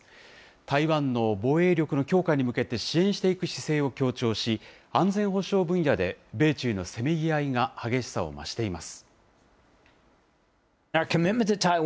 台湾の防衛力の強化に向けて支援していく姿勢を強調し、安全保障分野で米中のせめぎ合いが激しさを増しています。